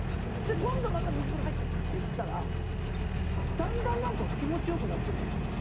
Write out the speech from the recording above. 今度また水風呂入ってって言ったらだんだんなんか気持ち良くなってくるんですよ。